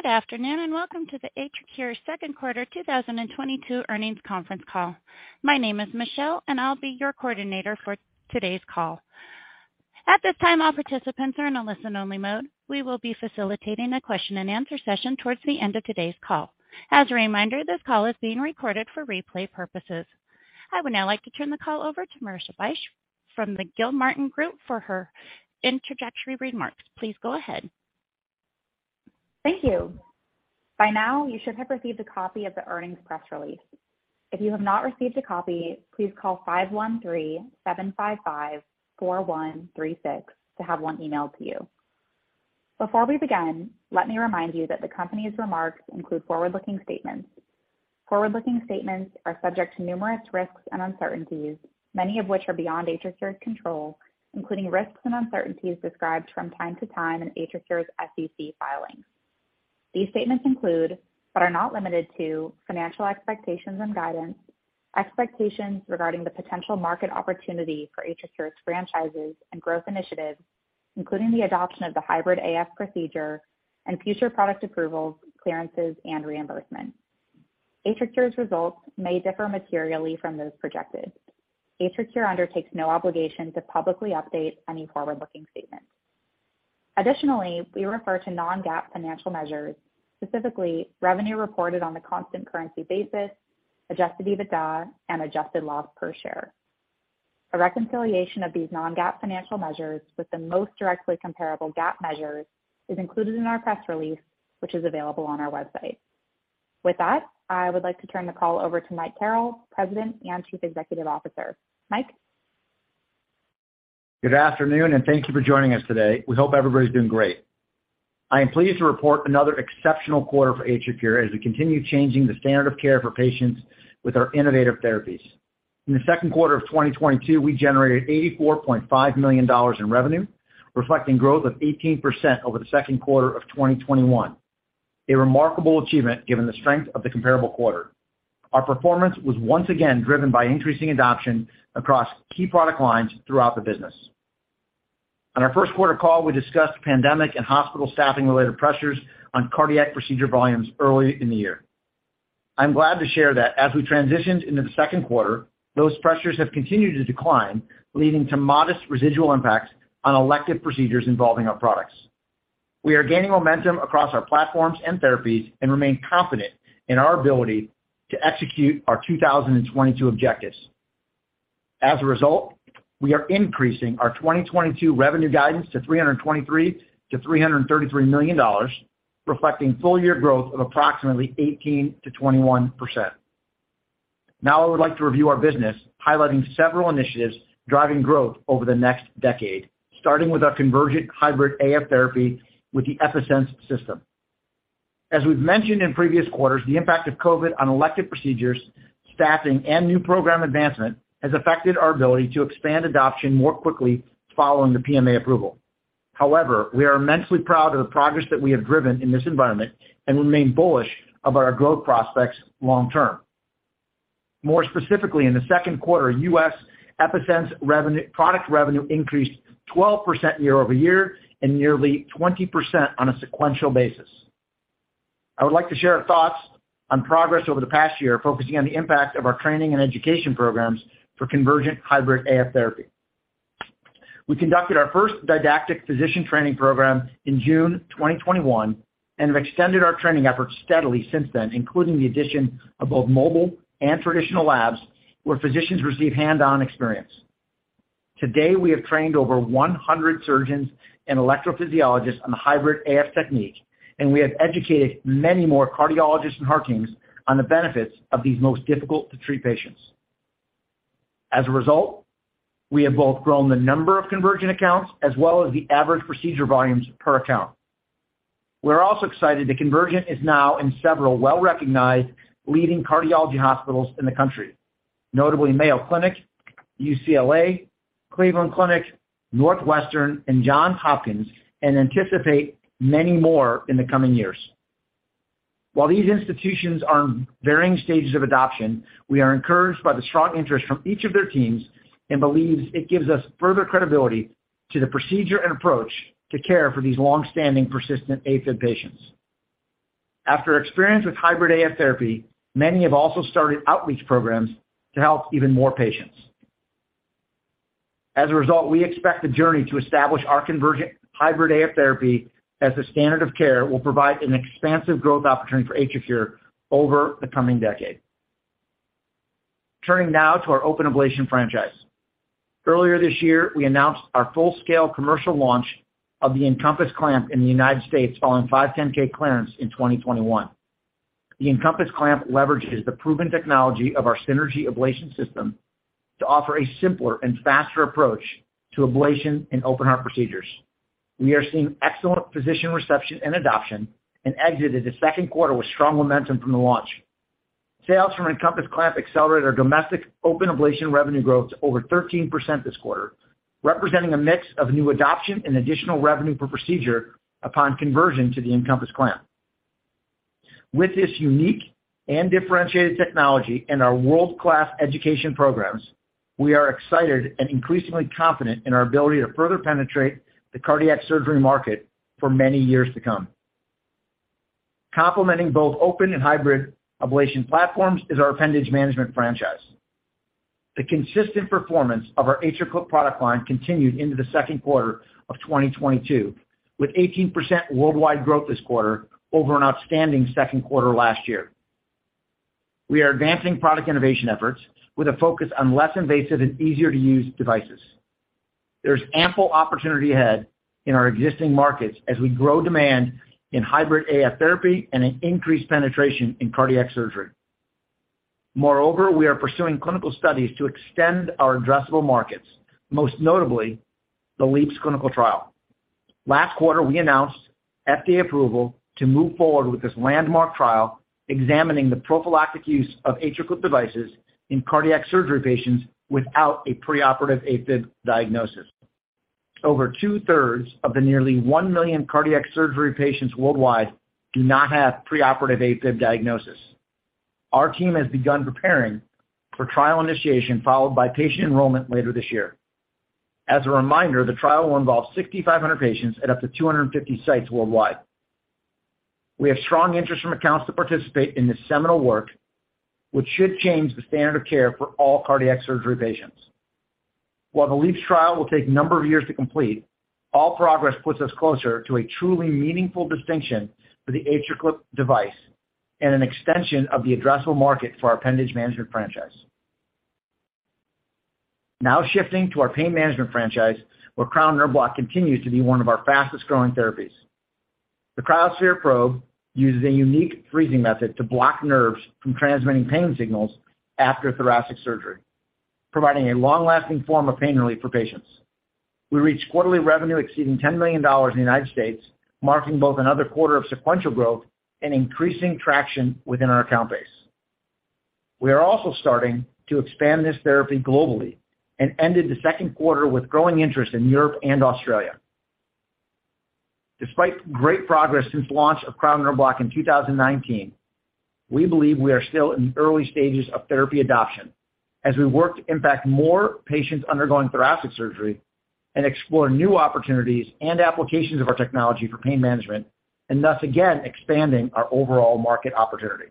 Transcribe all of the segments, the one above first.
Good afternoon, and welcome to the AtriCure second quarter 2022 earnings conference call. My name is Michelle, and I'll be your coordinator for today's call. At this time, all participants are in a listen-only mode. We will be facilitating a question-and-answer session towards the end of today's call. As a reminder, this call is being recorded for replay purposes. I would now like to turn the call over to Marissa Bych from the Gilmartin Group for her introductory remarks. Please go ahead. Thank you. By now, you should have received a copy of the earnings press release. If you have not received a copy, please call 513-755-4136 to have one emailed to you. Before we begin, let me remind you that the company's remarks include forward-looking statements. Forward-looking statements are subject to numerous risks and uncertainties, many of which are beyond AtriCure's control, including risks and uncertainties described from time to time in AtriCure's SEC filings. These statements include, but are not limited to, financial expectations and guidance, expectations regarding the potential market opportunity for AtriCure's franchises and growth initiatives, including the adoption of the Hybrid AF procedure and future product approvals, clearances, and reimbursement. AtriCure's results may differ materially from those projected. AtriCure undertakes no obligation to publicly update any forward-looking statements. Additionally, we refer to non-GAAP financial measures, specifically revenue reported on the constant currency basis, adjusted EBITDA, and adjusted loss per share. A reconciliation of these non-GAAP financial measures with the most directly comparable GAAP measures is included in our press release, which is available on our website. With that, I would like to turn the call over to Mike Carrel, President and Chief Executive Officer. Mike? Good afternoon, and thank you for joining us today. We hope everybody's doing great. I am pleased to report another exceptional quarter for AtriCure as we continue changing the standard of care for patients with our innovative therapies. In the second quarter of 2022, we generated $84.5 million in revenue, reflecting growth of 18% over the second quarter of 2021. A remarkable achievement given the strength of the comparable quarter. Our performance was once again driven by increasing adoption across key product lines throughout the business. On our first quarter call, we discussed pandemic and hospital staffing-related pressures on cardiac procedure volumes early in the year. I'm glad to share that as we transitioned into the second quarter, those pressures have continued to decline, leading to modest residual impacts on elective procedures involving our products. We are gaining momentum across our platforms and therapies and remain confident in our ability to execute our 2022 objectives. As a result, we are increasing our 2022 revenue guidance to $323 million-$333 million, reflecting full year growth of approximately 18%-21%. Now, I would like to review our business, highlighting several initiatives driving growth over the next decade, starting with our Convergent Hybrid AF therapy with the EPi-Sense system. As we've mentioned in previous quarters, the impact of COVID on elective procedures, staffing, and new program advancement has affected our ability to expand adoption more quickly following the PMA approval. However, we are immensely proud of the progress that we have driven in this environment and remain bullish about our growth prospects long term. More specifically, in the second quarter, U.S EPi-Sense product revenue increased 12% year-over-year and nearly 20% on a sequential basis. I would like to share our thoughts on progress over the past year, focusing on the impact of our training and education programs for Convergent Hybrid AF therapy. We conducted our first didactic physician training program in June 2021 and have extended our training efforts steadily since then, including the addition of both mobile and traditional labs, where physicians receive hands-on experience. Today, we have trained over 100 surgeons and electrophysiologists on the Hybrid AF technique, and we have educated many more cardiologists and heart teams on the benefits of these most difficult to treat patients. As a result, we have both grown the number of Convergent accounts as well as the average procedure volumes per account. We're also excited that Convergent is now in several well-recognized leading cardiology hospitals in the country, notably Mayo Clinic, UCLA, Cleveland Clinic, Northwestern, and Johns Hopkins, and anticipate many more in the coming years. While these institutions are in varying stages of adoption, we are encouraged by the strong interest from each of their teams and believe it gives us further credibility to the procedure and approach to care for these long-standing persistent AFib patients. After experience with Hybrid AF therapy, many have also started outreach programs to help even more patients. As a result, we expect the journey to establish our Convergent Hybrid AF therapy as the standard of care will provide an expansive growth opportunity for AtriCure over the coming decade. Turning now to our open ablation franchise. Earlier this year, we announced our full-scale commercial launch of the EnCompass Clamp in the United States following 510(k) clearance in 2021. The EnCompass Clamp leverages the proven technology of our Synergy ablation system to offer a simpler and faster approach to ablation in open heart procedures. We are seeing excellent physician reception and adoption and exited the second quarter with strong momentum from the launch. Sales from EnCompass Clamp accelerated our domestic open ablation revenue growth to over 13% this quarter, representing a mix of new adoption and additional revenue per procedure upon conversion to the EnCompass Clamp. With this unique and differentiated technology and our world-class education programs, we are excited and increasingly confident in our ability to further penetrate the cardiac surgery market for many years to come. Complementing both open and hybrid ablation platforms is our appendage management franchise. The consistent performance of our AtriClip product line continued into the second quarter of 2022, with 18% worldwide growth this quarter over an outstanding second quarter last year. We are advancing product innovation efforts with a focus on less invasive and easier-to-use devices. There's ample opportunity ahead in our existing markets as we grow demand in Hybrid AF therapy and an increased penetration in cardiac surgery. Moreover, we are pursuing clinical studies to extend our addressable markets, most notably the LeAAPS clinical trial. Last quarter, we announced FDA approval to move forward with this landmark trial examining the prophylactic use of AtriClip devices in cardiac surgery patients without a preoperative AFib diagnosis. Over two-thirds of the nearly 1 million cardiac surgery patients worldwide do not have preoperative AFib diagnosis. Our team has begun preparing for trial initiation, followed by patient enrollment later this year. As a reminder, the trial will involve 6,500 patients at up to 250 sites worldwide. We have strong interest from accounts to participate in this seminal work, which should change the standard of care for all cardiac surgery patients. While the LeAAPS trial will take a number of years to complete, all progress puts us closer to a truly meaningful distinction for the AtriClip device and an extension of the addressable market for our appendage management franchise. Now shifting to our pain management Cryo Nerve Block continues to be one of our fastest-growing therapies. The cryoSPHERE probe uses a unique freezing method to block nerves from transmitting pain signals after thoracic surgery, providing a long-lasting form of pain relief for patients. We reached quarterly revenue exceeding $10 million in the United States, marking both another quarter of sequential growth and increasing traction within our account base. We are also starting to expand this therapy globally and ended the second quarter with growing interest in Europe and Australia. Despite great progress since Cryo Nerve Block in 2019, we believe we are still in the early stages of therapy adoption as we work to impact more patients undergoing thoracic surgery and explore new opportunities and applications of our technology for pain management, and thus again expanding our overall market opportunity.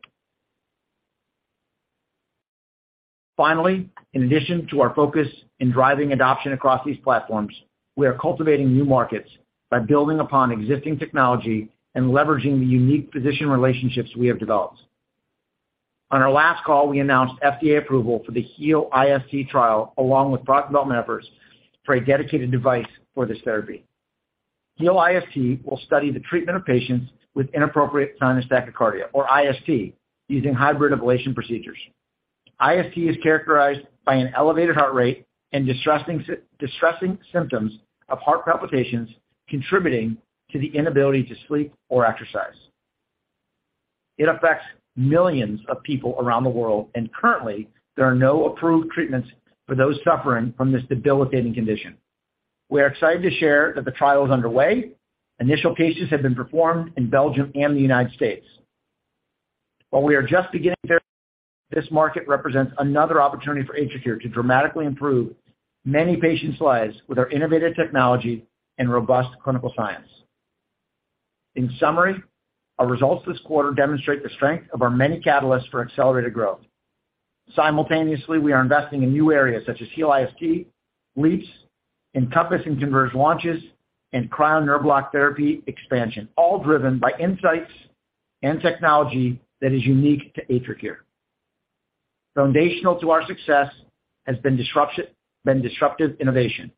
Finally, in addition to our focus in driving adoption across these platforms, we are cultivating new markets by building upon existing technology and leveraging the unique physician relationships we have developed. On our last call, we announced FDA approval for the HEAL-IST trial along with product development efforts for a dedicated device for this therapy. HEAL-IST will study the treatment of patients with inappropriate sinus tachycardia, or IST, using hybrid ablation procedures. IST is characterized by an elevated heart rate and distressing symptoms of heart palpitations contributing to the inability to sleep or exercise. It affects millions of people around the world, and currently there are no approved treatments for those suffering from this debilitating condition. We are excited to share that the trial is underway. Initial cases have been performed in Belgium and the United States. While we are just beginning therapy, this market represents another opportunity for AtriCure to dramatically improve many patients' lives with our innovative technology and robust clinical science. In summary, our results this quarter demonstrate the strength of our many catalysts for accelerated growth. Simultaneously, we are investing in new areas such as HEAL-IST, LeAAPS, EnCompass and Converge launches, Cryo Nerve Block therapy expansion, all driven by insights and technology that is unique to AtriCure. Foundational to our success has been disruptive innovation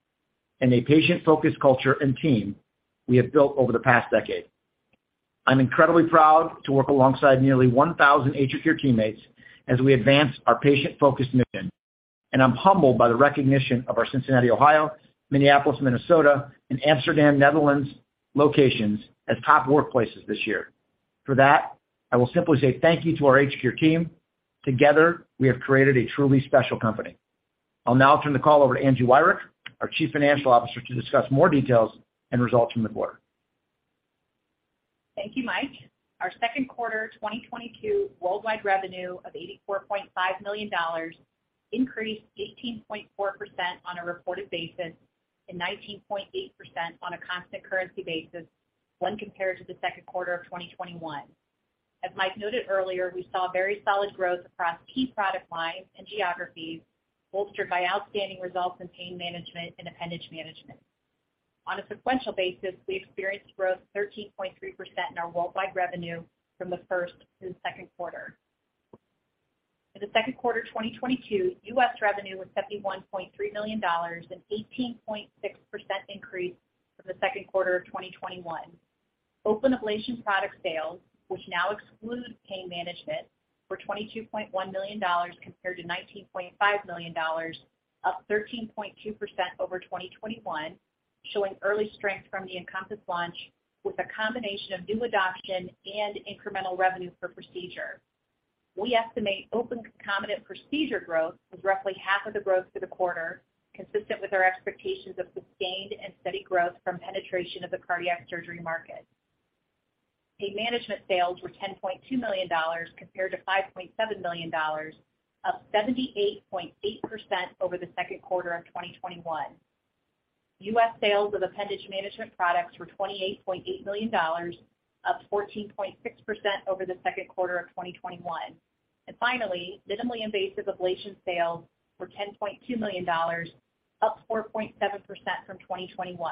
and a patient-focused culture and team we have built over the past decade. I'm incredibly proud to work alongside nearly 1,000 AtriCure teammates as we advance our patient-focused mission, and I'm humbled by the recognition of our Cincinnati, Ohio, Minneapolis, Minnesota, and Amsterdam, Netherlands, locations as top workplaces this year. For that, I will simply say thank you to our AtriCure team. Together, we have created a truly special company. I'll now turn the call over to Angie Wirick, our Chief Financial Officer, to discuss more details and results from the quarter. Thank you, Mike. Our second quarter 2022 worldwide revenue of $84.5 million increased 18.4% on a reported basis and 19.8% on a constant currency basis when compared to the second quarter of 2021. As Mike noted earlier, we saw very solid growth across key product lines and geographies, bolstered by outstanding results in pain management and appendage management. On a sequential basis, we experienced growth 13.3% in our worldwide revenue from the first to the second quarter. In the second quarter 2022, U.S. revenue was $71.3 million, an 18.6% increase from the second quarter of 2021. Open ablation product sales, which now excludes pain management, were $22.1 million compared to $19.5 million, up 13.2% over 2021, showing early strength from the EnCompass launch with a combination of new adoption and incremental revenue per procedure. We estimate open concomitant procedure growth was roughly half of the growth for the quarter, consistent with our expectations of sustained and steady growth from penetration of the cardiac surgery market. Pain management sales were $10.2 million compared to $5.7 million, up 78.8% over the second quarter of 2021. U.S. sales of appendage management products were $28.8 million, up 14.6% over the second quarter of 2021. Finally, minimally invasive ablation sales were $10.2 million, up 4.7% from 2021.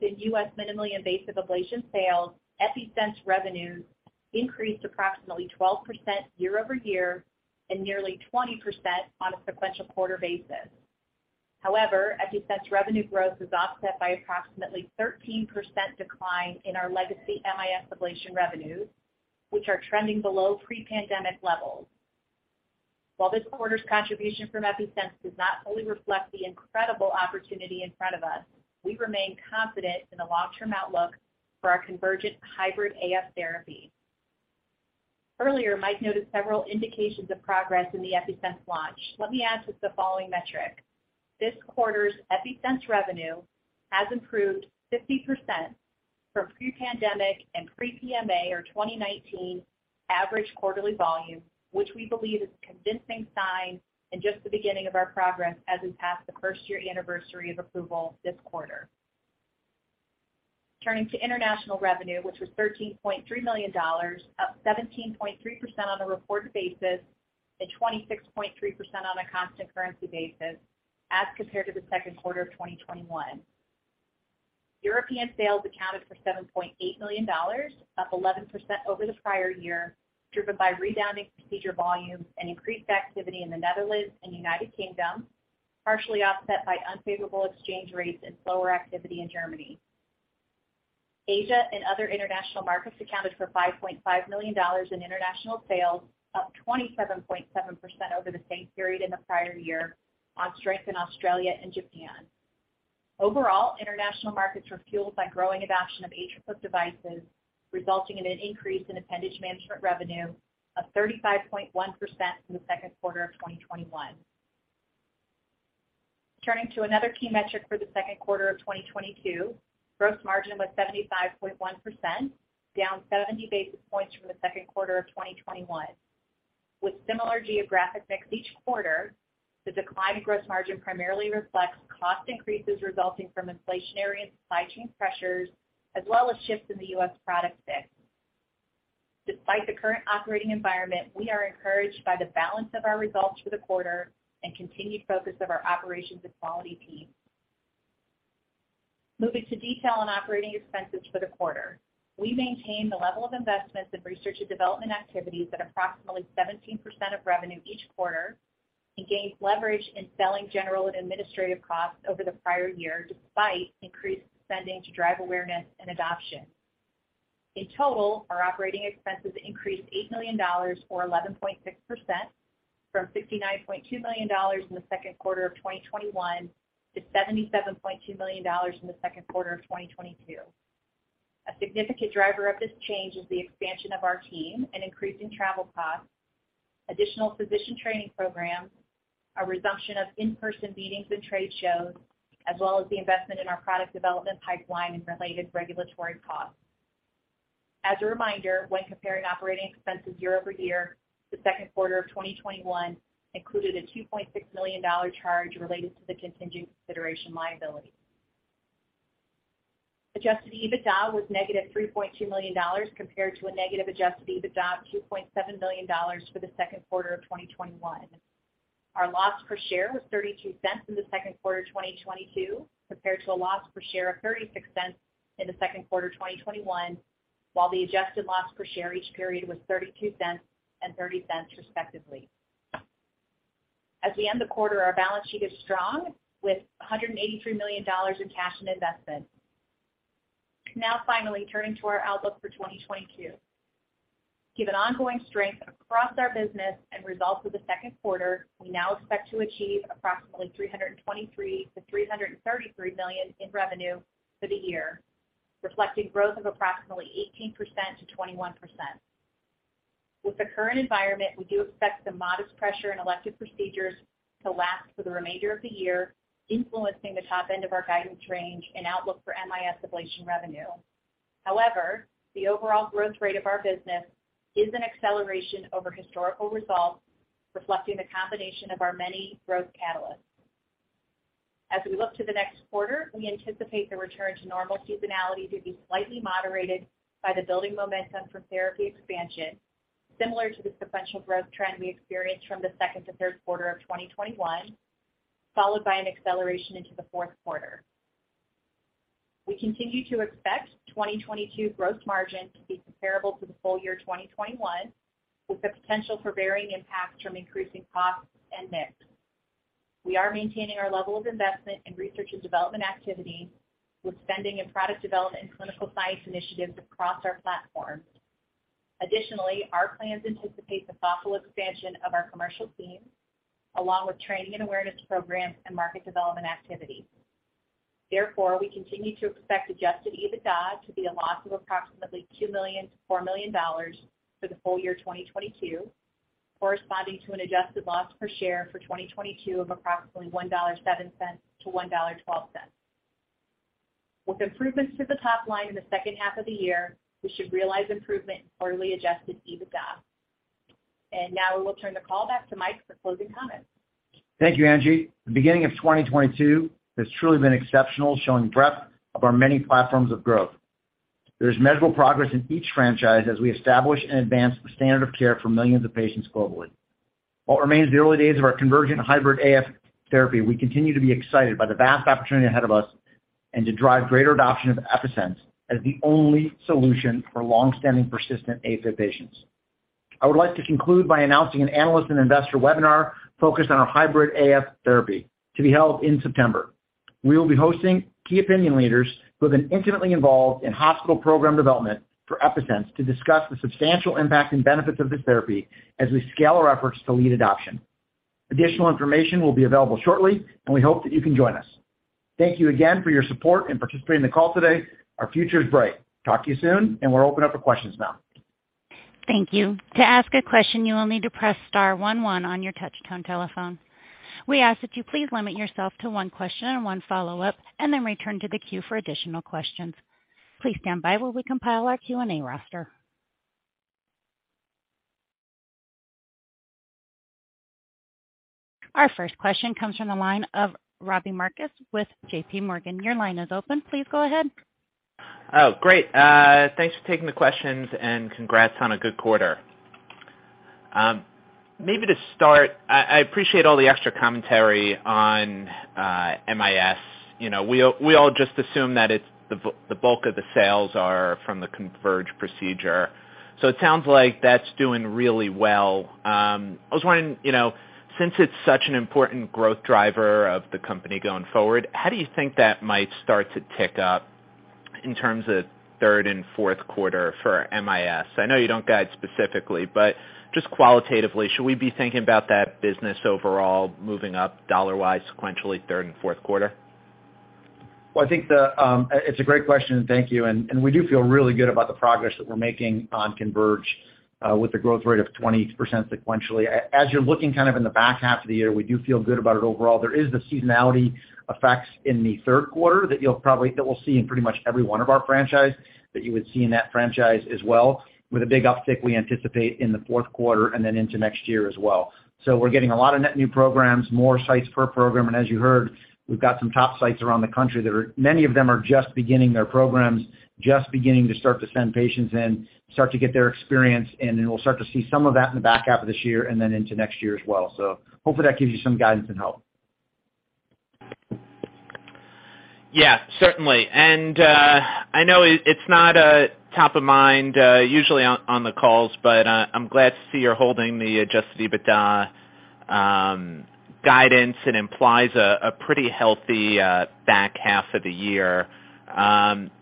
Important in U.S. minimally invasive ablation sales, EPi-Sense revenues increased approximately 12% year-over-year and nearly 20% on a sequential quarter basis. However, EPi-Sense revenue growth was offset by approximately 13% decline in our legacy MIS ablation revenues, which are trending below pre-pandemic levels. While this quarter's contribution from EPi-Sense does not fully reflect the incredible opportunity in front of us, we remain confident in the long-term outlook for our Convergent Hybrid AF therapy. Earlier, Mike noted several indications of progress in the EPi-Sense launch. Let me add to the following metric. This quarter's EPi-Sense revenue has improved 50% from pre-pandemic and pre-PMA or 2019 average quarterly volume, which we believe is a convincing sign and just the beginning of our progress as we pass the first year anniversary of approval this quarter. Turning to international revenue, which was $13.3 million, up 17.3% on a reported basis and 26.3% on a constant currency basis as compared to the second quarter of 2021. European sales accounted for $7.8 million, up 11% year-over-year, driven by rebounding procedure volumes and increased activity in the Netherlands and United Kingdom, partially offset by unfavorable exchange rates and slower activity in Germany. Asia and other international markets accounted for $5.5 million in international sales, up 27.7% year-over-year on strength in Australia and Japan. Overall, international markets were fueled by growing adoption of AtriClip devices, resulting in an increase in appendage management revenue of 35.1% from the second quarter of 2021. Turning to another key metric for the second quarter of 2022, gross margin was 75.1%, down 70 basis points from the second quarter of 2021. With similar geographic mix each quarter, the decline in gross margin primarily reflects cost increases resulting from inflationary and supply chain pressures, as well as shifts in the U.S. product mix. Despite the current operating environment, we are encouraged by the balance of our results for the quarter and continued focus of our operations and quality teams. Moving to detail on operating expenses for the quarter. We maintained the level of investments in research and development activities at approximately 17% of revenue each quarter and gained leverage in selling, general, and administrative costs over the prior year despite increased spending to drive awareness and adoption. In total, our operating expenses increased $8 million or 11.6% from $69.2 million in the second quarter of 2021 to $77.2 million in the second quarter of 2022. A significant driver of this change is the expansion of our team, an increase in travel costs, additional physician training programs, a resumption of in-person meetings and trade shows, as well as the investment in our product development pipeline and related regulatory costs. As a reminder, when comparing operating expenses year-over-year, the second quarter of 2021 included a $2.6 million charge related to the contingent consideration liability. Adjusted EBITDA was -$3.2 million compared to a negative adjusted EBITDA of -$2.7 million for the second quarter of 2021. Our loss per share was $0.32 in the second quarter of 2022 compared to a loss per share of $0.36 in the second quarter of 2021, while the adjusted loss per share each period was $0.32 and $0.30 respectively. As we end the quarter, our balance sheet is strong with $183 million in cash and investments. Now finally, turning to our outlook for 2022. Given ongoing strength across our business and results for the second quarter, we now expect to achieve approximately $323 million-$333 million in revenue for the year, reflecting growth of approximately 18%-21%. With the current environment, we do expect some modest pressure in elective procedures to last for the remainder of the year, influencing the top end of our guidance range and outlook for MIS ablation revenue. However, the overall growth rate of our business is an acceleration over historical results, reflecting the combination of our many growth catalysts. As we look to the next quarter, we anticipate the return to normal seasonality to be slightly moderated by the building momentum from therapy expansion, similar to the sequential growth trend we experienced from the second to third quarter of 2021, followed by an acceleration into the fourth quarter. We continue to expect 2022 gross margin to be comparable to the full year 2021, with the potential for varying impacts from increasing costs and mix. We are maintaining our level of investment in research and development activity with spending in product development and clinical science initiatives across our platforms. Additionally, our plans anticipate the thoughtful expansion of our commercial team along with training and awareness programs and market development activities. Therefore, we continue to expect adjusted EBITDA to be a loss of approximately $2 million-$4 million for the full year 2022, corresponding to an adjusted loss per share for 2022 of approximately $1.07-$1.12. With improvements to the top line in the second half of the year, we should realize improvement in quarterly adjusted EBITDA. Now we will turn the call back to Mike for closing comments. Thank you, Angie. The beginning of 2022 has truly been exceptional, showing breadth of our many platforms of growth. There is measurable progress in each franchise as we establish and advance the standard of care for millions of patients globally. While it remains the early days of our Convergent Hybrid AF therapy, we continue to be excited by the vast opportunity ahead of us and to drive greater adoption of EPi-Sense as the only solution for long-standing persistent AFib patients. I would like to conclude by announcing an analyst and investor webinar focused on our Hybrid AF therapy to be held in September. We will be hosting key opinion leaders who have been intimately involved in hospital program development for EPi-Sense to discuss the substantial impact and benefits of this therapy as we scale our efforts to lead adoption. Additional information will be available shortly, and we hope that you can join us. Thank you again for your support in participating in the call today. Our future is bright. Talk to you soon, and we'll open up for questions now. Thank you. To ask a question, you will need to press star one one on your touchtone telephone. We ask that you please limit yourself to one question and one follow-up, and then return to the queue for additional questions. Please stand by while we compile our Q&A roster. Our first question comes from the line of Robbie Marcus with JPMorgan. Your line is open, please go ahead. Oh, great. Thanks for taking the questions and congrats on a good quarter. Maybe to start, I appreciate all the extra commentary on MIS. You know, we all just assume that it's the bulk of the sales are from the Converge procedure. It sounds like that's doing really well. I was wondering, you know, since it's such an important growth driver of the company going forward, how do you think that might start to tick up in terms of third and fourth quarter for MIS? I know you don't guide specifically, but just qualitatively, should we be thinking about that business overall moving up dollar-wise sequentially third and fourth quarter? Well, I think it's a great question, thank you. We do feel really good about the progress that we're making on Converge, with the growth rate of 28% sequentially. As you're looking kind of in the back half of the year, we do feel good about it overall. There is the seasonality effects in the third quarter that we'll see in pretty much every one of our franchise, that you would see in that franchise as well, with a big uptick we anticipate in the fourth quarter and then into next year as well. We're getting a lot of net new programs, more sites per program, and as you heard, we've got some top sites around the country that are. Many of them are just beginning their programs, just beginning to start to send patients in, start to get their experience, and then we'll start to see some of that in the back half of this year and then into next year as well. Hopefully that gives you some guidance and help. Yeah, certainly. I know it's not top of mind usually on the calls, but I'm glad to see you're holding the adjusted EBITDA guidance. It implies a pretty healthy back half of the year.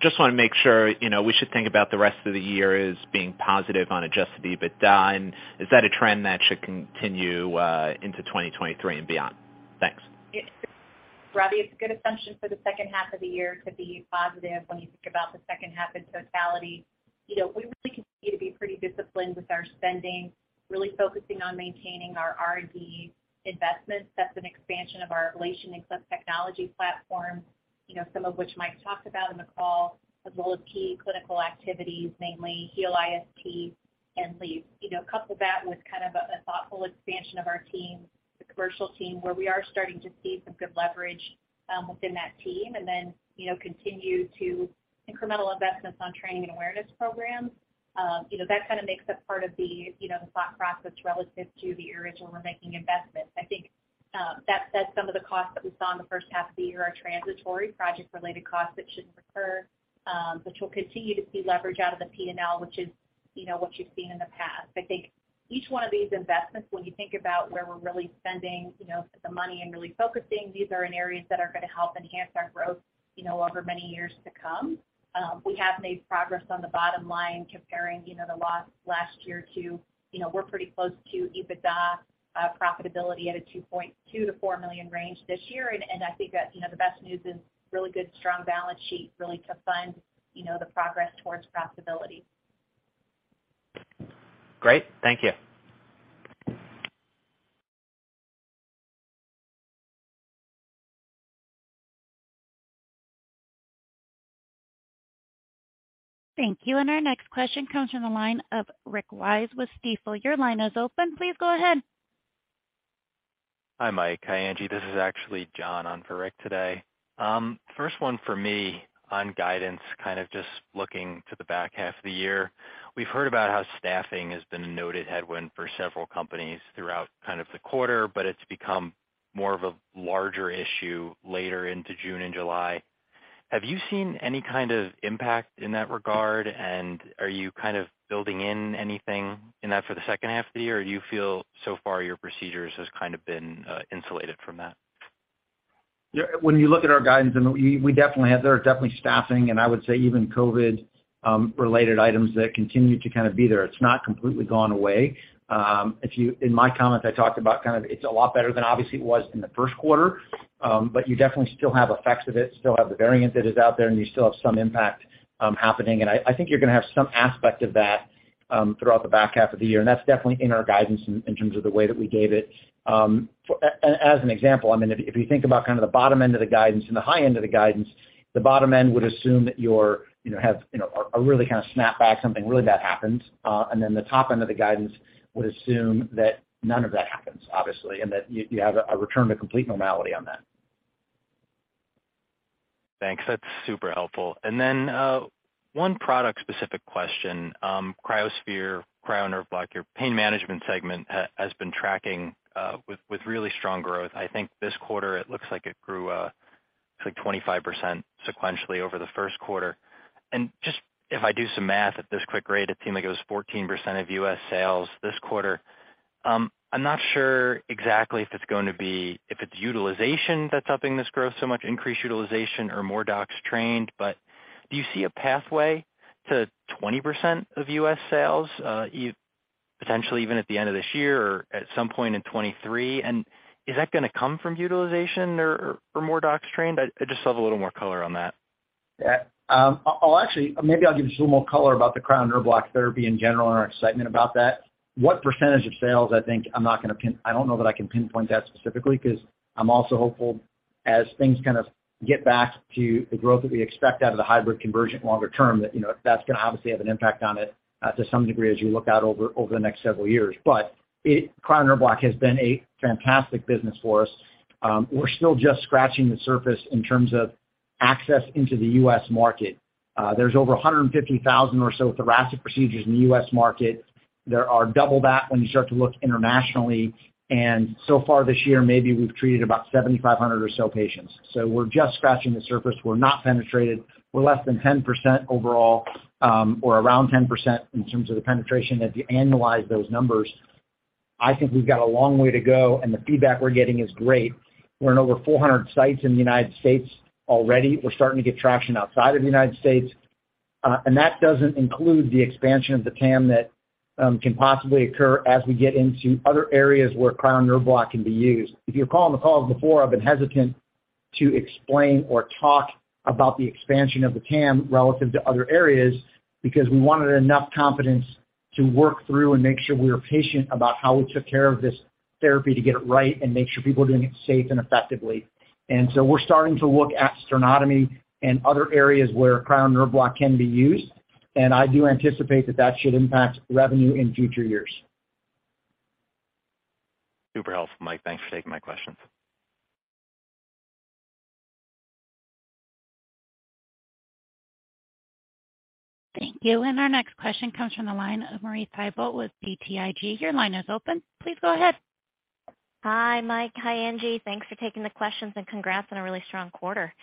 Just wanna make sure, you know, we should think about the rest of the year as being positive on adjusted EBITDA, and is that a trend that should continue into 2023 and beyond? Thanks. Robbie, it's a good assumption for the second half of the year to be positive when you think about the second half in totality. You know, we really continue to be pretty disciplined with our spending, really focusing on maintaining our R&D investments. That's an expansion of our Ablation and Exclusion technology platform, you know, some of which Mike talked about in the call, as well as key clinical activities, namely HEAL-IST and LeAAPS. You know, couple that with kind of a thoughtful expansion of our team, the commercial team, where we are starting to see some good leverage within that team, and then, you know, continue to incremental investments on training and awareness programs. You know, that kind of makes up part of the thought process relative to the areas where we're making investments. I think that's some of the costs that we saw in the first half of the year are transitory project-related costs that shouldn't recur, but we'll continue to see leverage out of the P&L, which is, you know, what you've seen in the past. I think each one of these investments, when you think about where we're really spending, you know, the money and really focusing, these are in areas that are gonna help enhance our growth, you know, over many years to come. We have made progress on the bottom line comparing, you know, last year to, you know, we're pretty close to EBITDA profitability at a $2.2 million-$4 million range this year. I think that, you know, the best news is really good, strong balance sheet really to fund, you know, the progress towards profitability. Great. Thank you. Thank you. Our next question comes from the line of Rick Wise with Stifel. Your line is open. Please go ahead. Hi, Mike. Hi, Angie. This is actually John on for Rick today. First one for me on guidance, kind of just looking to the back half of the year. We've heard about how staffing has been a noted headwind for several companies throughout kind of the quarter, but it's become more of a larger issue later into June and July. Have you seen any kind of impact in that regard? Are you kind of building in anything in that for the second half of the year, or do you feel so far your procedures has kind of been insulated from that? Yeah, when you look at our guidance, we definitely have. There is definitely staffing, and I would say even COVID-related items that continue to kind of be there. It's not completely gone away. In my comments, I talked about kind of it's a lot better than obviously it was in the first quarter, but you definitely still have effects of it, still have the variant that is out there, and you still have some impact happening. I think you're gonna have some aspect of that throughout the back half of the year, and that's definitely in our guidance in terms of the way that we gave it. As an example, I mean, if you think about kind of the bottom end of the guidance and the high end of the guidance, the bottom end would assume that you have a really kind of snap back, something really bad happens. Then the top end of the guidance would assume that none of that happens, obviously, and that you have a return to complete normality on that. Thanks. That's super helpful. Then, one product-specific question. Cryo Nerve Block, your pain management segment has been tracking with really strong growth. I think this quarter it looks like it grew 25% sequentially over the first quarter. Just if I do some math at this quick rate, it seemed like it was 14% of U.S. sales this quarter. I'm not sure exactly if it's utilization that's helping this growth so much, increased utilization or more docs trained. Do you see a pathway to 20% of U.S. sales potentially even at the end of this year or at some point in 2023? Is that gonna come from utilization or more docs trained? I'd just love a little more color on that. Yeah. I'll actually maybe give you just a little more color about Cryo Nerve Block therapy in general and our excitement about that. What percentage of sales, I think I'm not gonna pinpoint that specifically 'cause I'm also hopeful as things kind of get back to the growth that we expect out of the hybrid conversion longer term, that, you know, that's gonna obviously have an impact on it, to some degree as you look out over the next several years. Cryo Nerve Block has been a fantastic business for us. We're still just scratching the surface in terms of access into the U.S. market. There's over 150,000 or so thoracic procedures in the U.S. market. There are double that when you start to look internationally, and so far this year, maybe we've treated about 7,500 or so patients. We're just scratching the surface. We're not penetrated. We're less than 10% overall, or around 10% in terms of the penetration. If you annualize those numbers, I think we've got a long way to go, and the feedback we're getting is great. We're in over 400 sites in the United States already. We're starting to get traction outside of the United States. And that doesn't include the expansion of the TAM that can possibly occur as we get into other areas Cryo Nerve Block can be used. If you recall on the calls before, I've been hesitant to explain or talk about the expansion of the TAM relative to other areas because we wanted enough confidence to work through and make sure we were patient about how we took care of this therapy to get it right and make sure people are doing it safe and effectively. We're starting to look at sternotomy and other areas Cryo Nerve Block can be used, and I do anticipate that that should impact revenue in future years. Super helpful, Mike. Thanks for taking my questions. Thank you. Our next question comes from the line of Marie Thibault with BTIG. Your line is open. Please go ahead. Hi, Mike. Hi, Angie. Thanks for taking the questions, and congrats on a really strong quarter.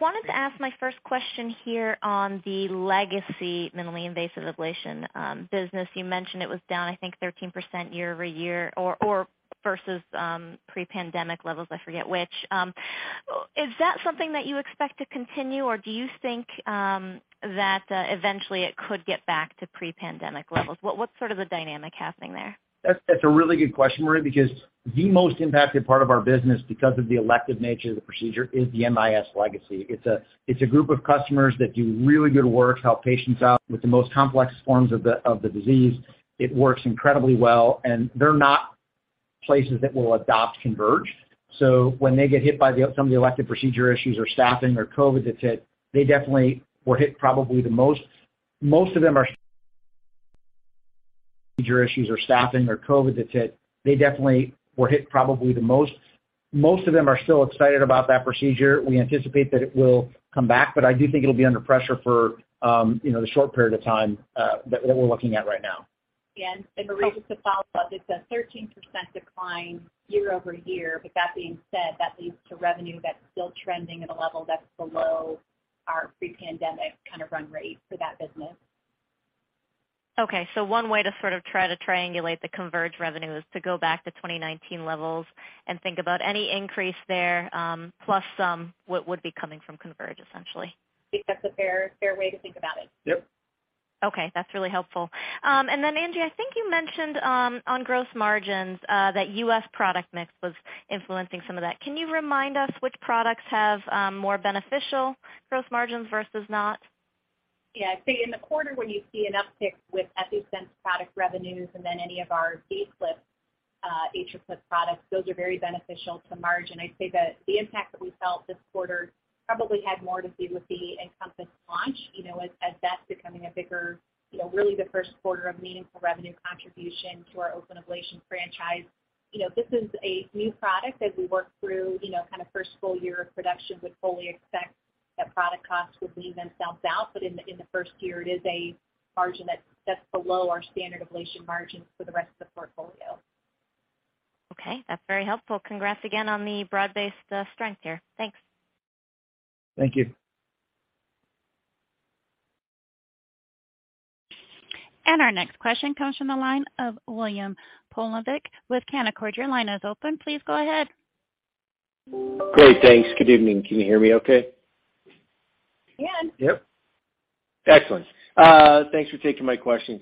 Wanted to ask my first question here on the legacy minimally invasive ablation business. You mentioned it was down, I think 13% year-over-year or versus pre-pandemic levels, I forget which. Is that something that you expect to continue, or do you think that eventually it could get back to pre-pandemic levels? What's sort of the dynamic happening there? That's a really good question, Marie, because the most impacted part of our business because of the elective nature of the procedure is the MIS legacy. It's a group of customers that do really good work, help patients out with the most complex forms of the disease. It works incredibly well, and they're not places that will adopt Converge. When they get hit by some of the elective procedure issues or staffing or COVID that's hit, they definitely were hit probably the most. Most of them are Issues or staffing or COVID that's hit. They definitely were hit probably the most. Most of them are still excited about that procedure. We anticipate that it will come back, but I do think it'll be under pressure for, you know, the short period of time that we're looking at right now. Marie, just to follow up, it's a 13% decline year-over-year. But that being said, that leads to revenue that's still trending at a level that's below our pre-pandemic kind of run rate for that business. One way to sort of try to triangulate the Converge revenue is to go back to 2019 levels and think about any increase there, plus some would be coming from Converge, essentially. I think that's a fair way to think about it. Yep. Okay. That's really helpful. Angie, I think you mentioned on gross margins that U.S. product mix was influencing some of that. Can you remind us which products have more beneficial gross margins versus not? Yeah. I'd say in the quarter when you see an uptick with EPi-Sense product revenues and then any of our AtriClip products, those are very beneficial to margin. I'd say that the impact that we felt this quarter probably had more to do with the EnCompass launch, you know, as that's becoming a bigger, you know, really the first quarter of meaningful revenue contribution to our open ablation franchise. You know, this is a new product as we work through, you know, kind of first full year of production, would fully expect that product costs would leave themselves out. But in the first year, it is a margin that's below our standard ablation margins for the rest of the portfolio. Okay, that's very helpful. Congrats again on the broad-based strength here. Thanks. Thank you. Our next question comes from the line of William Plovanic with Canaccord. Your line is open. Please go ahead. Great. Thanks. Good evening. Can you hear me okay? We can. Yep. Excellent. Thanks for taking my question.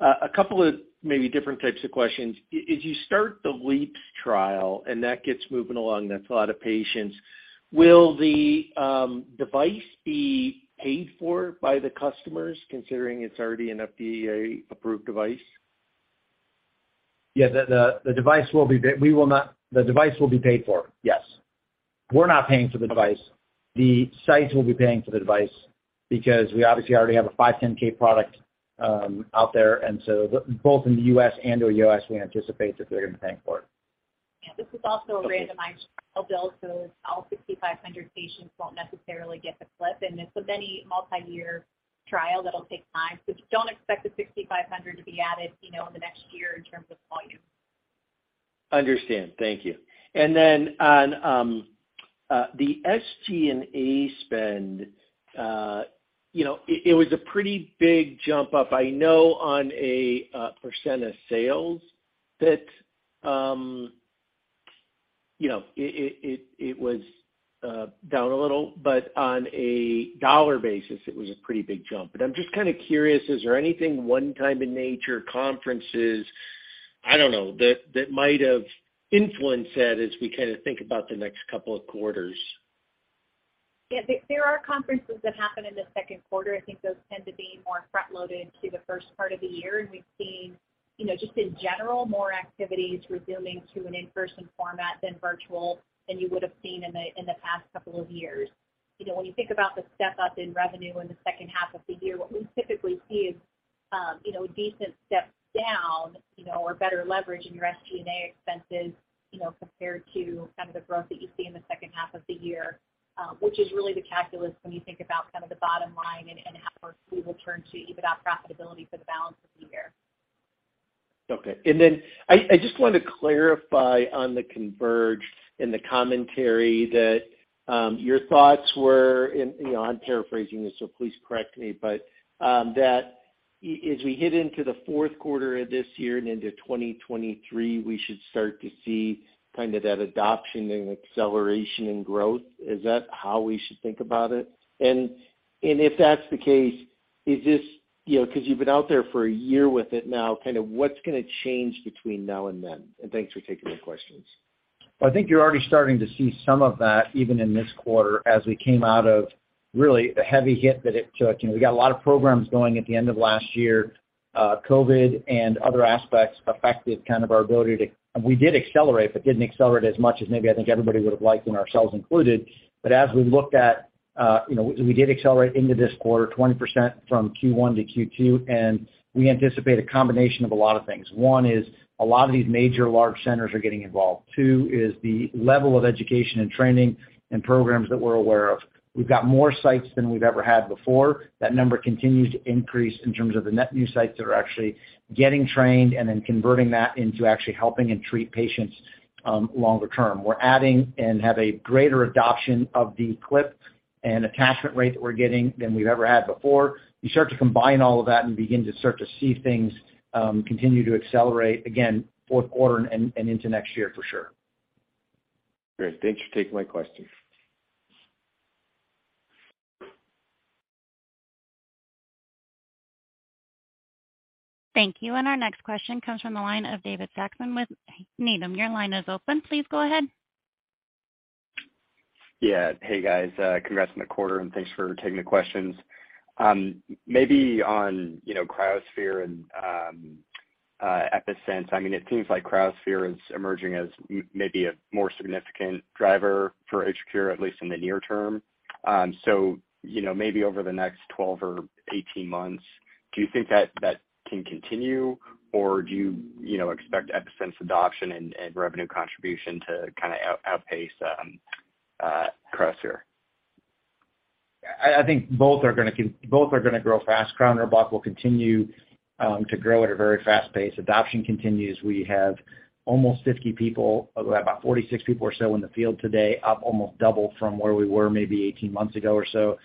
A couple of maybe different types of questions. As you start the LeAAPS trial and that gets moving along, that's a lot of patients. Will the device be paid for by the customers considering it's already an FDA-approved device? Yeah. The device will be paid for. Yes. We're not paying for the device. The sites will be paying for the device because we obviously already have a 510(k) product out there. Both in the U.S. and/or OUS, we anticipate that they're going to be paying for it. Yeah. This is also a randomized trial, Bill, so all 6,500 patients won't necessarily get the clip. It's a many multi-year trial that'll take time. Don't expect the 6,500 to be added, you know, in the next year in terms of volume. Understand. Thank you. Then on the SG&A spend, you know, it was a pretty big jump up. I know on a percent of sales that you know, it was down a little, but on a dollar basis, it was a pretty big jump. I'm just kind of curious, is there anything one-time in nature, conferences, I don't know, that might have influenced that as we kind of think about the next couple of quarters? Yeah. There are conferences that happen in the second quarter. I think those tend to be more front-loaded to the first part of the year. We've seen, you know, just in general, more activities resuming to an in-person format than virtual than you would have seen in the past couple of years. You know, when you think about the step-up in revenue in the second half of the year, what we typically see is, you know, a decent step down, you know, or better leverage in your SG&A expenses, you know, compared to kind of the growth that you see in the second half of the year, which is really the calculus when you think about kind of the bottom line and how much we will turn to EBITDA profitability for the balance of the year. Okay. I just wanted to clarify on the Converge in the commentary that your thoughts were, and you know, I'm paraphrasing this, so please correct me, but that as we head into the fourth quarter of this year and into 2023, we should start to see kind of that adoption and acceleration in growth. Is that how we should think about it? If that's the case, is this, you know, because you've been out there for a year with it now, kind of what's gonna change between now and then? Thanks for taking the questions. Well, I think you're already starting to see some of that even in this quarter as we came out of really the heavy hit that it took. You know, we got a lot of programs going at the end of last year. COVID and other aspects affected kind of our ability. We did accelerate, but didn't accelerate as much as maybe I think everybody would have liked and ourselves included. As we looked at, you know, we did accelerate into this quarter, 20% from Q1 to Q2, and we anticipate a combination of a lot of things. One is a lot of these major large centers are getting involved. Two is the level of education and training and programs that we're aware of. We've got more sites than we've ever had before. That number continues to increase in terms of the net new sites that are actually getting trained and then converting that into actually helping and treating patients longer term. We're adding and have a greater adoption of the clip and attachment rate that we're getting than we've ever had before. You start to combine all of that and begin to see things continue to accelerate again fourth quarter and into next year for sure. Great. Thanks for taking my question. Thank you. Our next question comes from the line of David Saxon with Needham. Your line is open. Please go ahead. Yeah. Hey, guys. Congrats on the quarter, and thanks for taking the questions. Maybe on, you know, cryoSPHERE and EPi-Sense. I mean, it seems like cryoSPHERE is emerging as maybe a more significant driver for AtriCure, at least in the near term. So, you know, maybe over the next 12 or 18 months, do you think that can continue, or do you know, expect EPi-Sense adoption and revenue contribution to kind of outpace cryoSPHERE? I think both are gonna grow fast. CryoNerve Block will continue to grow at a very fast pace. Adoption continues. We have almost 50 people. We have about 46 people or so in the field today, up almost double from where we were maybe 18 months ago or so.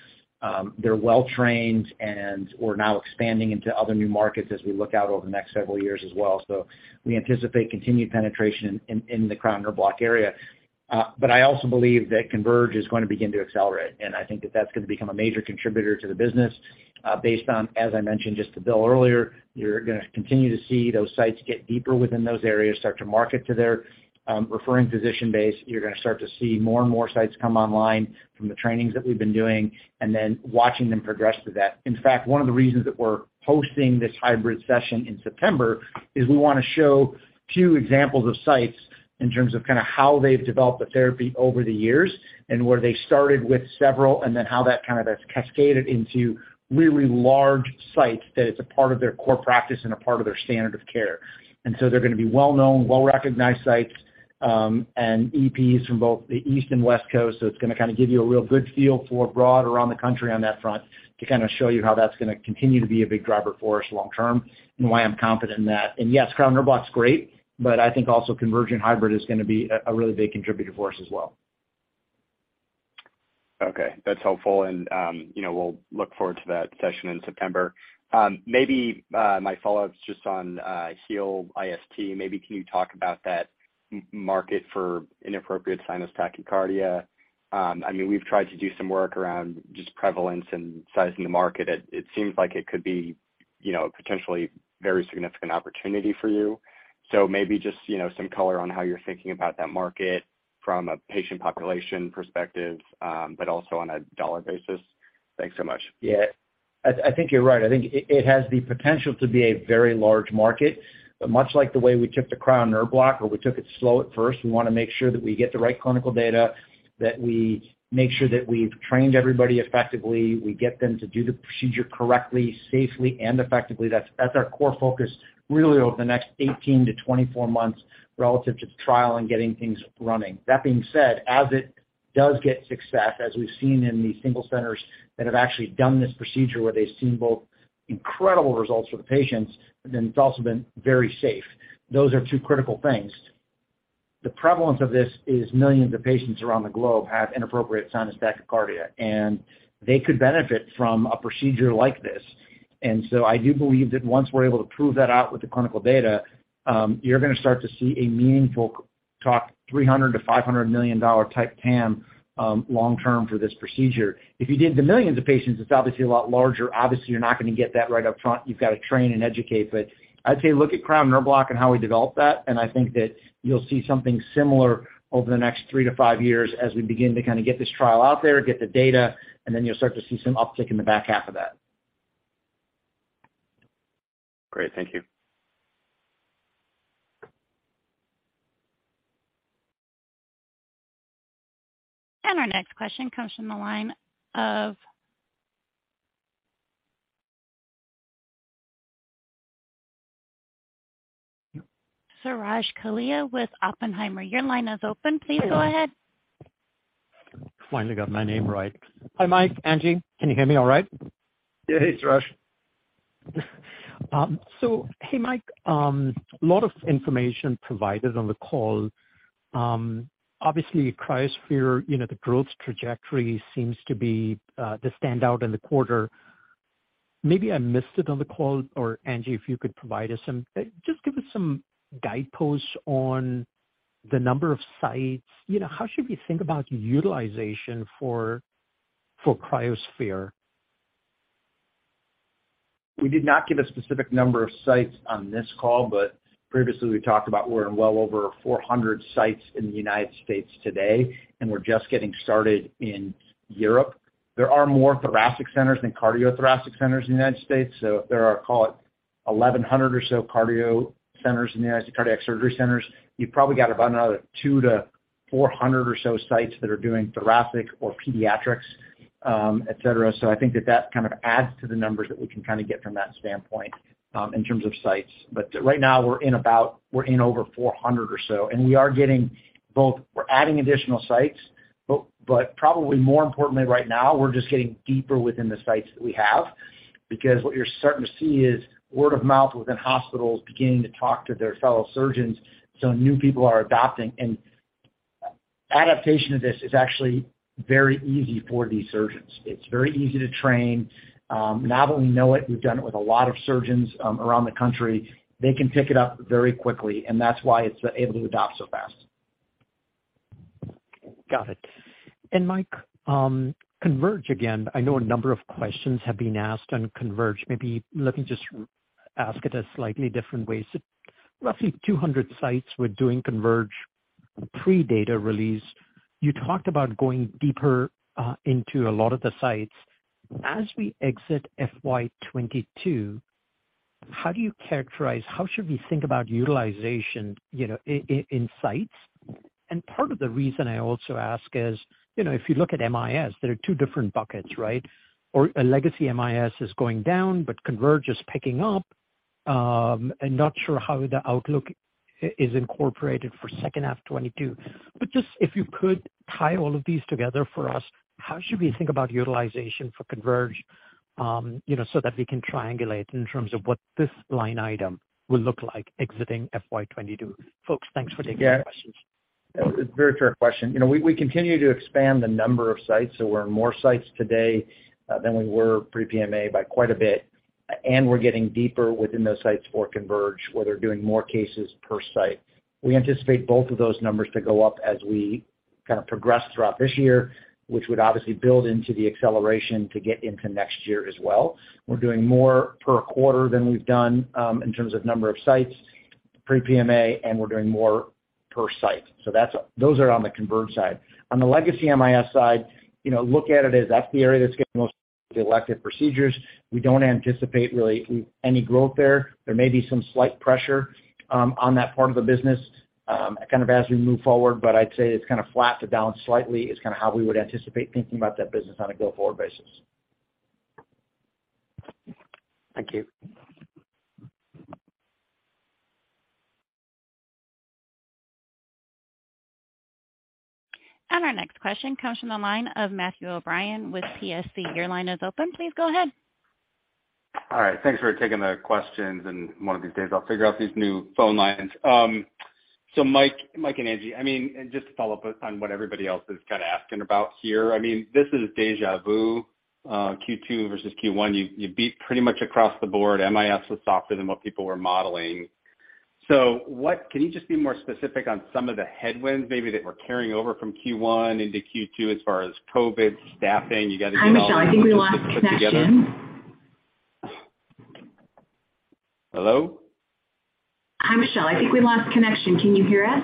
They're well-trained, and we're now expanding into other new markets as we look out over the next several years as well. We anticipate continued penetration in the CryoNerve Block area. I also believe that Converge is going to begin to accelerate, and I think that's gonna become a major contributor to the business, based on, as I mentioned just to Bill earlier, you're gonna continue to see those sites get deeper within those areas, start to market to their referring physician base. You're gonna start to see more and more sites come online from the trainings that we've been doing and then watching them progress to that. In fact, one of the reasons that we're hosting this hybrid session in September is we wanna show two examples of sites in terms of kinda how they've developed the therapy over the years and where they started with several and then how that kind of has cascaded into really large sites that it's a part of their core practice and a part of their standard of care. They're gonna be well-known, well-recognized sites, and EPs from both the East and West Coast. It's gonna kinda give you a real good feel for broad around the country on that front to kinda show you how that's gonna continue to be a big driver for us long term and why I'm confident in that. Cryo Nerve Block's great, but I think also Convergent Hybrid is gonna be a really big contributor for us as well. Okay, that's helpful. We'll look forward to that session in September. Maybe my follow-up's just on HEAL-IST. Maybe can you talk about that market for inappropriate sinus tachycardia? I mean, we've tried to do some work around just prevalence and sizing the market. It seems like it could be, you know, potentially very significant opportunity for you. Maybe just, you know, some color on how you're thinking about that market from a patient population perspective, but also on a dollar basis. Thanks so much. Yeah. I think you're right. I think it has the potential to be a very large market, but much like the way we took Cryo Nerve Block where we took it slow at first, we wanna make sure that we get the right clinical data, that we make sure that we've trained everybody effectively, we get them to do the procedure correctly, safely and effectively. That's our core focus really over the next 18-24 months relative to the trial and getting things running. That being said, as it does get success, as we've seen in the single centers that have actually done this procedure where they've seen both incredible results for the patients, but then it's also been very safe. Those are two critical things. The prevalence of this is millions of patients around the globe have inappropriate sinus tachycardia, and they could benefit from a procedure like this. I do believe that once we're able to prove that out with the clinical data, you're gonna start to see a meaningful TAM, $300 million-$500 million type TAM, long term for this procedure. If you did the millions of patients, it's obviously a lot larger. Obviously, you're not gonna get that right up front. You've got to train and educate. I'd say look Cryo Nerve Block and how we develop that, and I think that you'll see something similar over the next three to five years as we begin to kinda get this trial out there, get the data, and then you'll start to see some uptick in the back half of that. Great. Thank you. Our next question comes from the line of Suraj Kalia with Oppenheimer. Your line is open. Please go ahead. Finally got my name right. Hi, Mike, Angie. Can you hear me all right? Yeah. Hey, Suraj. Hey, Mike, a lot of information provided on the call. Obviously, cryoSPHERE, you know, the growth trajectory seems to be the standout in the quarter. Maybe I missed it on the call or Angie, if you could just give us some guideposts on the number of sites. You know, how should we think about utilization for cryoSPHERE? We did not give a specific number of sites on this call, but previously we talked about we're in well over 400 sites in the United States today, and we're just getting started in Europe. There are more thoracic centers than cardiothoracic centers in the United States. There are, call it 1,100 or so cardiac centers in the United States, cardiac surgery centers. You've probably got about another 200-400 or so sites that are doing thoracic or pediatrics, et cetera. I think that kind of adds to the numbers that we can kinda get from that standpoint, in terms of sites. Right now we're in over 400 or so, and we are getting both. We're adding additional sites, but probably more importantly right now, we're just getting deeper within the sites that we have. Because what you're starting to see is word of mouth within hospitals beginning to talk to their fellow surgeons, so new people are adopting. Adaptation to this is actually very easy for these surgeons. It's very easy to train. Now that we know it, we've done it with a lot of surgeons around the country. They can pick it up very quickly, and that's why it's able to adopt so fast. Got it. Mike, Converge again, I know a number of questions have been asked on Converge. Maybe let me just ask it a slightly different way. Roughly 200 sites were doing Converge pre-data release. You talked about going deeper into a lot of the sites. As we exit FY 2022, how should we think about utilization, you know, in sites? Part of the reason I also ask is, you know, if you look at MIS, there are two different buckets, right? Or a legacy MIS is going down, but Converge is picking up. Not sure how the outlook is incorporated for second half 2022. Just if you could tie all of these together for us, how should we think about utilization for Converge, you know, so that we can triangulate in terms of what this line item will look like exiting FY 2022. Folks, thanks for taking the questions. Yeah. Very fair question. You know, we continue to expand the number of sites. We're in more sites today than we were pre-PMA by quite a bit, and we're getting deeper within those sites for Converge, where they're doing more cases per site. We anticipate both of those numbers to go up as we kind of progress throughout this year, which would obviously build into the acceleration to get into next year as well. We're doing more per quarter than we've done in terms of number of sites pre-PMA, and we're doing more per site. Those are on the Converge side. On the legacy MIS side, you know, look at it as that's the area that's getting most of the elective procedures. We don't anticipate really any growth there. There may be some slight pressure, on that part of the business, kind of as we move forward, but I'd say it's kinda flat to down slightly is kinda how we would anticipate thinking about that business on a go-forward basis. Thank you. Our next question comes from the line of Matthew O'Brien with Piper Sandler. Your line is open. Please go ahead. All right, thanks for taking the questions. One of these days I'll figure out these new phone lines. Mike and Angie, I mean, just to follow up on what everybody else is kind of asking about here, I mean, this is déjà vu, Q2 versus Q1. You beat pretty much across the board. MIS was softer than what people were modeling. What can you just be more specific on some of the headwinds maybe that we're carrying over from Q1 into Q2 as far as COVID, staffing, you got to get all these pieces put together. Hi, Michelle. I think we lost connection. Hello? Hi, Michelle. I think we lost connection. Can you hear us?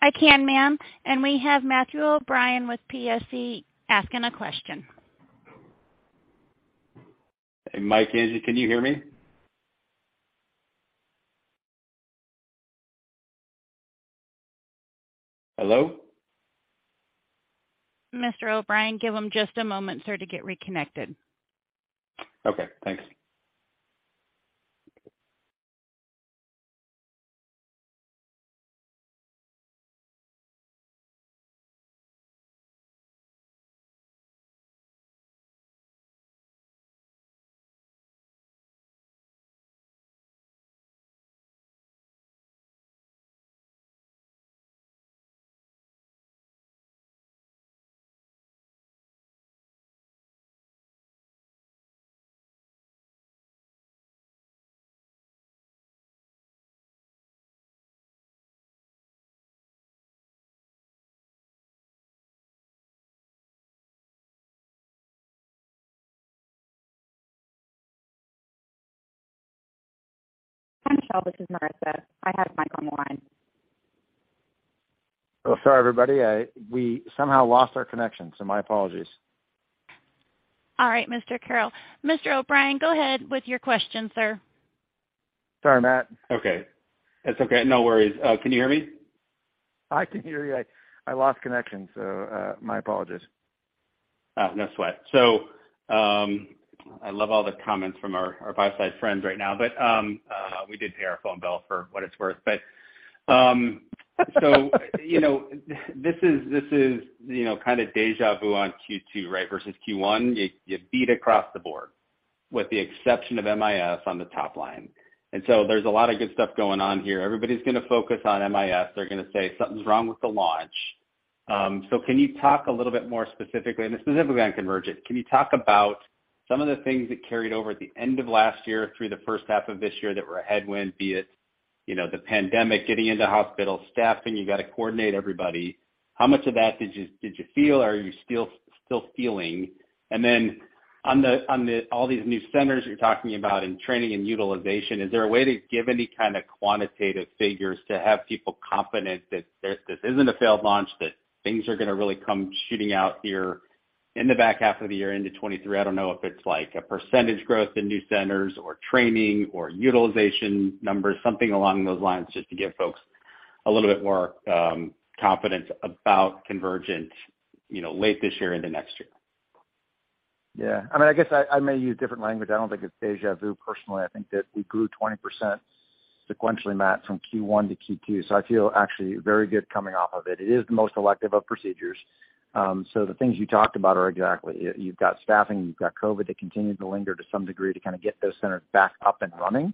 I can, ma'am. We have Matt O'Brien with Piper Sandler asking a question. Hey, Mike, Angie, can you hear me? Hello? Mr. O'Brien, give him just a moment, sir, to get reconnected. Okay, thanks. Hi, Michelle. This is Marissa. I have Mike on the line. Well, sorry, everybody, we somehow lost our connection, so my apologies. All right, Mr. Carrel. Mr. O'Brien, go ahead with your question, sir. Sorry, Matt. Okay. That's okay. No worries. Can you hear me? I can hear you. I lost connection, so, my apologies. Oh, no sweat. I love all the comments from our buy-side friends right now, but we did pay our phone bill for what it's worth. You know, this is, you know, kind of déjà vu on Q2, right? Versus Q1, you beat across the board with the exception of MIS on the top line. There's a lot of good stuff going on here. Everybody's gonna focus on MIS. They're gonna say something's wrong with the launch. Can you talk a little bit more specifically, and specifically on Convergent, can you talk about some of the things that carried over at the end of last year through the first half of this year that were a headwind, be it, you know, the pandemic, getting into hospital staffing, you got to coordinate everybody. How much of that did you feel, are you still feeling? On all these new centers you're talking about and training and utilization, is there a way to give any kind of quantitative figures to have people confident that this isn't a failed launch, that things are gonna really come shooting out here in the back half of the year into 2023? I don't know if it's like a percentage growth in new centers or training or utilization numbers, something along those lines, just to give folks a little bit more confidence about Convergent, you know, late this year into next year. Yeah. I mean, I guess I may use different language. I don't think it's déjà vu personally. I think that we grew 20% sequentially, Matt, from Q1 to Q2. I feel actually very good coming off of it. It is the most elective of procedures. The things you talked about are exactly. You've got staffing, you've got COVID that continued to linger to some degree to kind of get those centers back up and running.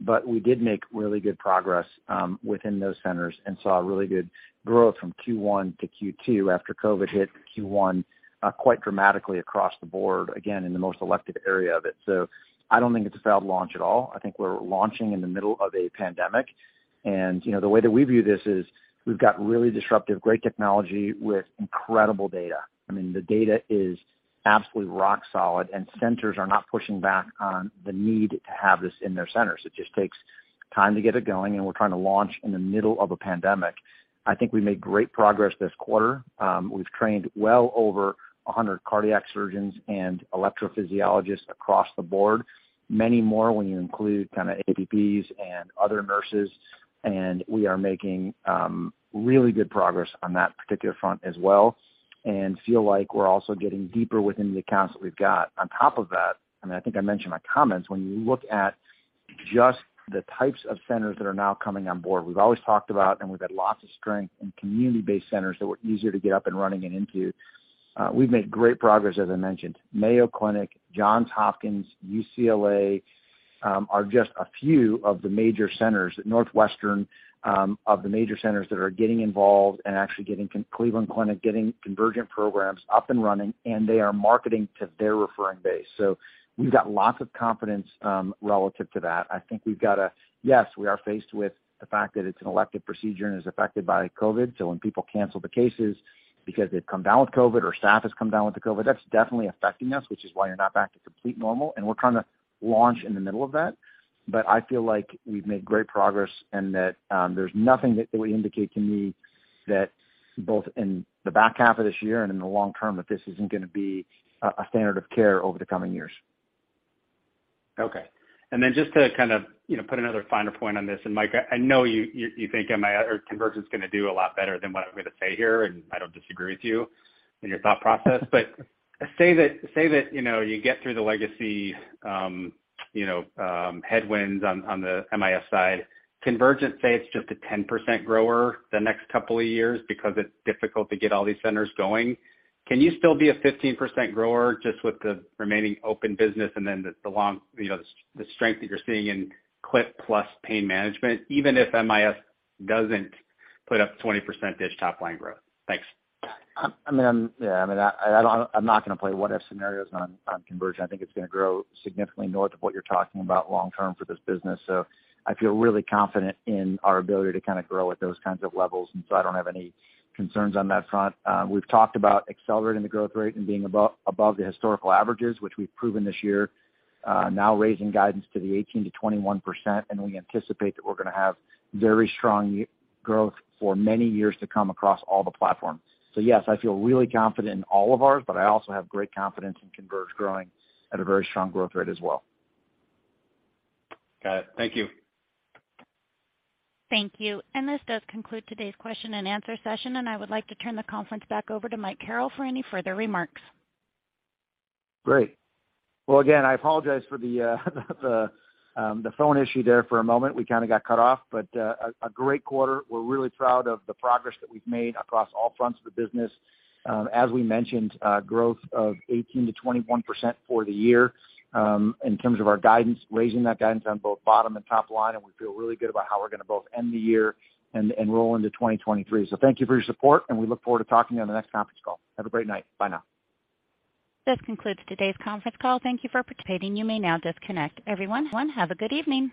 But we did make really good progress, within those centers and saw really good growth from Q1 to Q2 after COVID hit Q1, quite dramatically across the board, again, in the most elective area of it. I don't think it's a failed launch at all. I think we're launching in the middle of a pandemic. You know, the way that we view this is we've got really disruptive, great technology with incredible data. I mean, the data is absolutely rock solid and centers are not pushing back on the need to have this in their centers. It just takes time to get it going, and we're trying to launch in the middle of a pandemic. I think we made great progress this quarter. We've trained well over 100 cardiac surgeons and electrophysiologists across the board, many more when you include kind of APPs and other nurses. We are making really good progress on that particular front as well, and feel like we're also getting deeper within the accounts that we've got. On top of that, I mean, I think I mentioned my comments, when you look at just the types of centers that are now coming on board, we've always talked about, and we've had lots of strength in community-based centers that were easier to get up and running and into. We've made great progress, as I mentioned. Mayo Clinic, Johns Hopkins, UCLA are just a few of the major centers, Northwestern, of the major centers that are getting involved and actually getting Convergent programs up and running, and they are marketing to their referring base. So we've got lots of confidence relative to that. I think we've got a. Yes, we are faced with the fact that it's an elective procedure and is affected by COVID. When people cancel the cases because they've come down with COVID or staff has come down with the COVID, that's definitely affecting us, which is why you're not back to complete normal. We're trying to launch in the middle of that. I feel like we've made great progress and that there's nothing that would indicate to me that both in the back half of this year and in the long term, that this isn't gonna be a standard of care over the coming years. Okay. Then just to kind of, you know, put another finer point on this, and Mike, I know you think MIS or Convergent's gonna do a lot better than what I'm gonna say here, and I don't disagree with you in your thought process. Say that, you know, you get through the legacy headwinds on the MIS side. Convergent, say it's just a 10% grower the next couple of years because it's difficult to get all these centers going. Can you still be a 15% grower just with the remaining open business and then the long, you know, the strength that you're seeing in clip plus pain management, even if MIS doesn't put up 20%-ish top line growth? Thanks. I mean, I don't, I'm not gonna play what if scenarios on Convergent. I think it's gonna grow significantly north of what you're talking about long term for this business. I feel really confident in our ability to kind of grow at those kinds of levels. I don't have any concerns on that front. We've talked about accelerating the growth rate and being above the historical averages, which we've proven this year, now raising guidance to the 18%-21%. We anticipate that we're gonna have very strong growth for many years to come across all the platforms. Yes, I feel really confident in all of ours, but I also have great confidence in Convergent growing at a very strong growth rate as well. Got it. Thank you. Thank you. This does conclude today's question and answer session, and I would like to turn the conference back over to Mike Carrel for any further remarks. Great. Well, again, I apologize for the phone issue there for a moment. We kinda got cut off, but a great quarter. We're really proud of the progress that we've made across all fronts of the business. As we mentioned, growth of 18%-21% for the year, in terms of our guidance, raising that guidance on both bottom and top line, and we feel really good about how we're gonna both end the year and roll into 2023. Thank you for your support, and we look forward to talking on the next conference call. Have a great night. Bye now. This concludes today's conference call. Thank you for participating. You may now disconnect. Everyone, have a good evening.